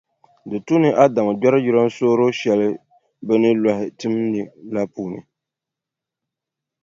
Di tu ni Adamu gbɛri jilansooro shɛli bɛ ni lɔhi tim ni la puuni.